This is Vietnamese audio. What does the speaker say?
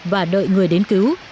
và đợi người đến cứu